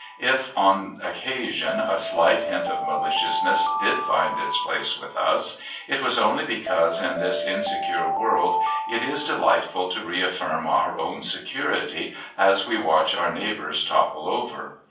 If, on occasion, a slight hint of maliciousness did find its place with us, it was only because in this insecure world it is delightful to reaffirm our own security as we watch our neighbours topple over.